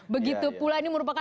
begitu pula ini merupakan